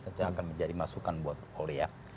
itu akan menjadi masukan buat oleh